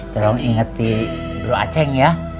tolong ingat di bro aceh ya